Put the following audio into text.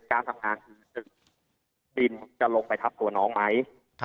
การทำงานคือ๑ดินจะลงไปทับตัวน้องไหม